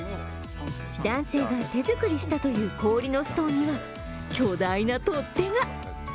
男性が手作りしたという氷のストーンには巨大な取っ手が。